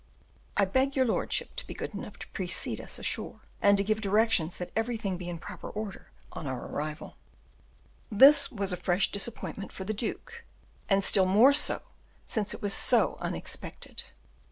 I beg your lordship to be good enough to precede us ashore, and to give directions that everything be in proper order on our arrival." This was a fresh disappointment for the duke, and, still more so, since it was so unexpected.